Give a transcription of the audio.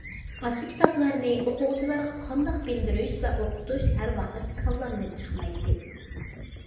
ئاشۇ كىتابلارنى ئوقۇغۇچىلارغا قانداق بىلدۈرۈش ۋە ئوقۇتۇش ھەر ۋاقىت كاللامدىن چىقمايتتى.